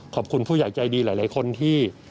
ขอบคุณผู้ใหญ่ใจดีหลายคนที่